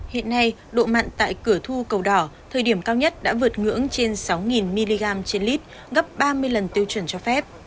hiện nay độ mặn tại cửa thu cầu đỏ thời điểm cao nhất đã vượt ngưỡng trên sáu mg trên lít gấp ba mươi lần tiêu chuẩn cho phép